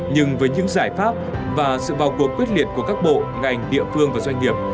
nhưng với những giải pháp và sự vào cuộc quyết liệt của các bộ ngành địa phương và doanh nghiệp